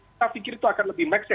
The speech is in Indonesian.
saya pikir itu akan lebih make sense